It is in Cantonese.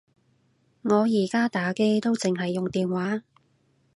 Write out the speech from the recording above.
我而家打機都剩係用電話